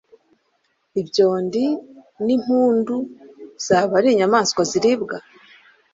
Ibyondi n’impundu zaba ari inyamaswa ziribwa?